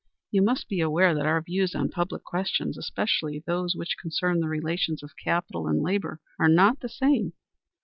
"You must be aware that our views on public questions especially those which concern the relations of capital and labor are not the same."